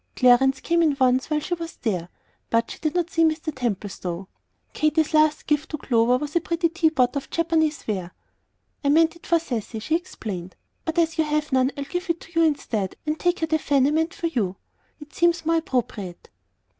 Clarence came in once while she was there, but she did not see Mr. Templestowe. Katy's last gift to Clover was a pretty tea pot of Japanese ware. "I meant it for Cecy," she explained. "But as you have none I'll give it to you instead, and take her the fan I meant for you. It seems more appropriate."